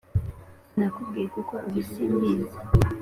sinakubwira kuko ubu simbizi